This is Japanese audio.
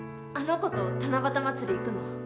あの子と七夕祭り行くの？